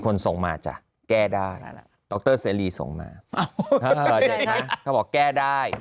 คนส่งมาจ่ะแก้ได้ด๊อคเจรรีส่งมาแล้วแก้ได้